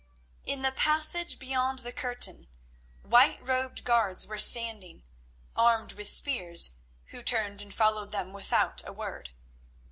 In the passage beyond the curtain white robed guards were standing, armed with spears, who turned and followed them without a word.